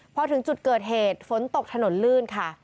พอถึงจุดเกิดเหตุฝนตกถนนลื่นค่ะ